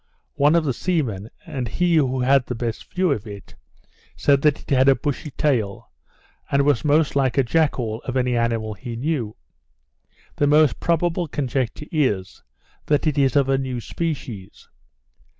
One of the seamen, and he who had the best view of it, said it had a bushy tail, and was the most like a jackall of any animal he knew. The most probable conjecture is, that it is of a new species.